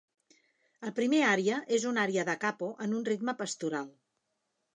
El primer ària és un ària "da capo" en un ritme pastoral.